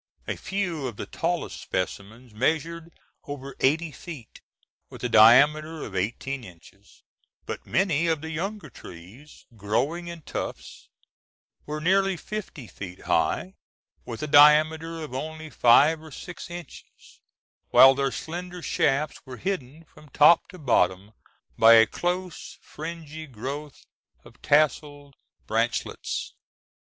A few of the tallest specimens measured over eighty feet, with a diameter of eighteen inches; but many of the younger trees, growing in tufts, were nearly fifty feet high, with a diameter of only five or six inches, while their slender shafts were hidden from top to bottom by a close, fringy growth of tasseled branchlets.